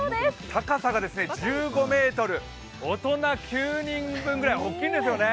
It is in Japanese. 高さが１５ｍ、大人９人分ぐらい、大きいんですよね。